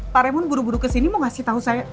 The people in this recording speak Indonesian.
pak remon buru buru kesini mau kasih tau saya